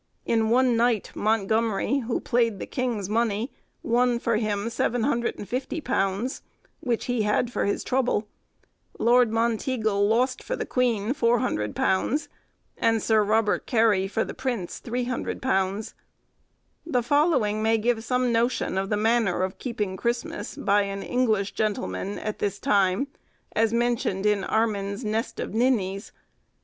In one night, Montgomery, who played the king's money, won for him £750, which he had for his trouble; Lord Monteagle lost for the queen £400, and Sir Robert Cary for the prince, £300. The following may give some notion of the manner of keeping Christmas, by an English gentleman, at this time, as mentioned in Armin's 'Nest of Ninnies.